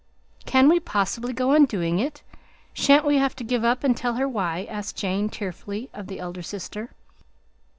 "Can we possibly go on doing it? Shan't we have to give up and tell her why?" asked Jane tearfully of the elder sister.